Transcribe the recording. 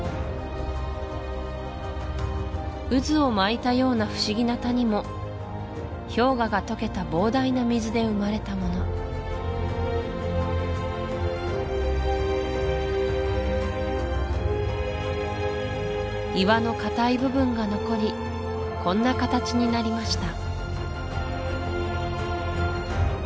渦を巻いたような不思議な谷も氷河が溶けた膨大な水で生まれたもの岩の固い部分が残りこんな形になりました